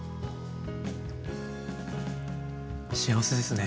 幸せですね。